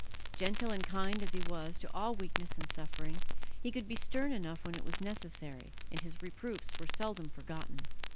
Gentle and kind as he was to all weakness and suffering, he could be stern enough when it was necessary, and his reproofs were seldom forgotten.